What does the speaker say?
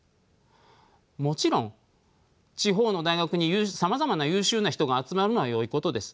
もちろん地方の大学にさまざまな優秀な人が集まるのはよいことです。